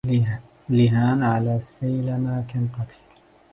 لهان على سليمى كم قتيل